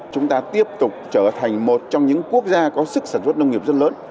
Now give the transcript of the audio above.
chúng ta tiếp tục trở thành một trong những quốc gia có sức sản xuất nông nghiệp rất lớn